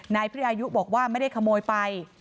นายพิอายุบอกว่าไม่ได้ขโมยไป